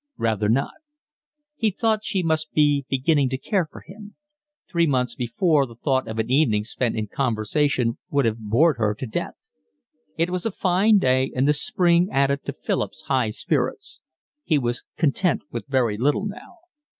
"Rather not." He thought she must be beginning to care for him. Three months before the thought of an evening spent in conversation would have bored her to death. It was a fine day, and the spring added to Philip's high spirits. He was content with very little now.